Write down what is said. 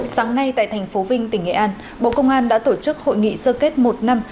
sáng nay tại thành phố vinh tỉnh nghệ an bộ công an đã tổ chức hội nghị sơ kết một năm